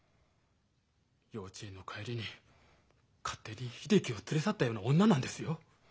幼稚園の帰りに勝手に秀樹を連れ去ったような女なんですよ。